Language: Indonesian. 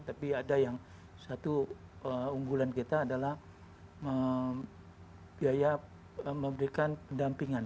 tapi ada yang satu unggulan kita adalah biaya memberikan pendampingan